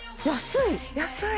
安い！